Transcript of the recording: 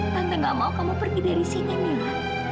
tante gak mau kamu pergi dari sini